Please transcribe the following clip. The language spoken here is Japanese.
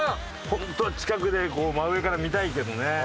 ホントは近くでこう真上から見たいけどね。